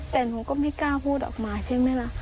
แต่หนูก็ไม่กล้าพูดออกมาใช่ไหมล่ะ